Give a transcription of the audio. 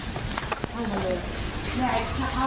ถ้า